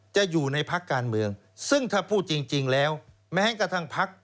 จะอยู่ในพักการเมืองซึ่งถ้าพูดจริงแล้วแม้กระทั่งพัก